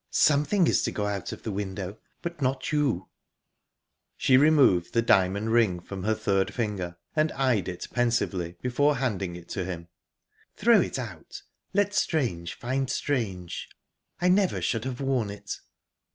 "Something is to go out our the window, but not you," She removed the diamond ring from her third finger, and eyed it pensively, before handing it to him..."Throw it out! Let strange find strange. I never should have worn it."